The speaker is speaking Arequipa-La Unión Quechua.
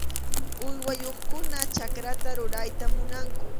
Uywayuqkuna chakrata rurayta munanku.